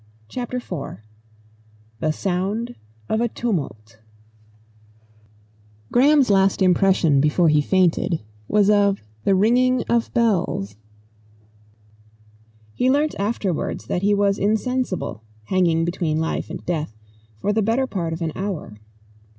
CHAPTER IV THE SOUND OF A TUMULT Graham's last impression before he fainted was of the ringing of bells. He learnt afterwards that he was insensible, hanging between life and death, for the better part of an hour.